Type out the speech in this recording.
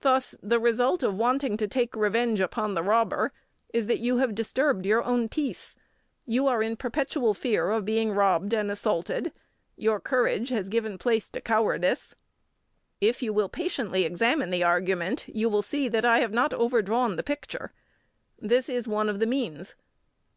Thus the result of wanting to take revenge upon the robber is that you have disturbed your own peace; you are in perpetual fear of being robbed and assaulted; your courage has given place to cowardice. If you will patiently examine the argument, you will see that I have not overdrawn the picture. This is one of the means.